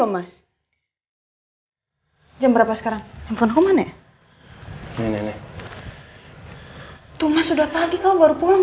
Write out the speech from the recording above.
mas mbakle kasih berhati hatian